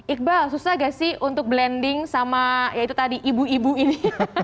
iqbal susah gak sih untuk blending sama ya itu tadi ibu ibu ini